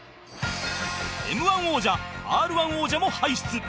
Ｍ−１ 王者 Ｒ−１ 王者も輩出